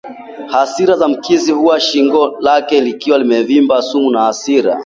hasira za mkizi huku shingo lake likiwa limevimba sumu na hasira